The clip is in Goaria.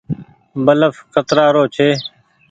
بلڦ ڪترآ رو ڇي۔